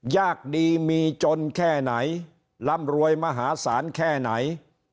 ยากดีมีจนแค่ไหนร่ำรวยมหาศาลแค่ไหน